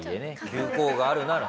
急行があるなら。